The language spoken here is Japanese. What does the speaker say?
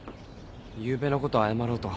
ゆうべのこと謝ろうと。